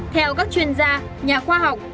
theo các chuyên gia nhà khoa học